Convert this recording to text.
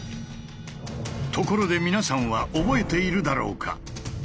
ところで皆さんは覚えているだろうか？